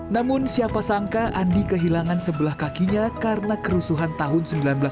namun siapa sangka andi kehilangan sebelah kakinya karena kerusuhan tahun seribu sembilan ratus sembilan puluh